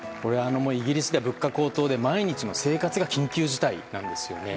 イギリスでは物価高騰で毎日の生活が緊急事態なんですよね。